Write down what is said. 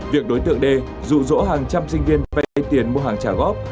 việc đối tượng đê rụ rỗ hàng trăm sinh viên vay tiền mua hàng trả góp